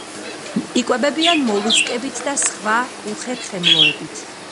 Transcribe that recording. იკვებებიან მოლუსკებით და სხვა უხერხემლოებით.